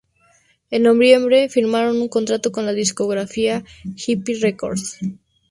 En noviembre firmaron un contrato con la discográfica Hype Records.